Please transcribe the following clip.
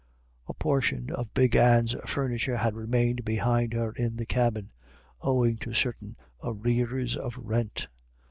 A portion of Big Anne's furniture had remained behind her in the cabin, owing to certain arrears of rent.